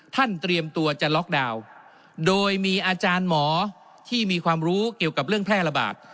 เตรียมตัวจะล็อกดาวน์โดยมีอาจารย์หมอที่มีความรู้เกี่ยวกับเรื่องแพร่ระบาด